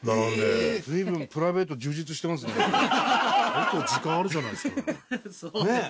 結構時間あるじゃないですか。